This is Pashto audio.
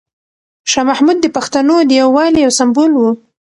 شاه محمود د پښتنو د یووالي یو سمبول و.